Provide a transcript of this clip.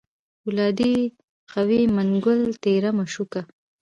پولادي قوي منګول تېره مشوکه